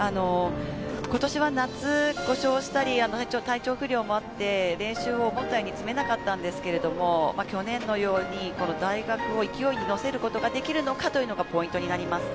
ことしは夏、故障したり、体調不良もあって、練習を思ったように積めなかったんですけれども、去年のようにこの大学を勢いに乗せることができるのかというのがポイントになります。